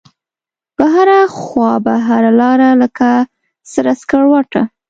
په هره خواپه هره لاره لکه سره سکروټه